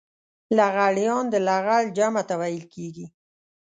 لغړيان د لغړ جمع ته ويل کېږي.